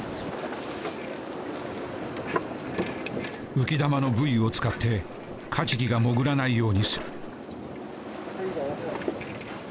浮き球のブイを使ってカジキが潜らないようにする。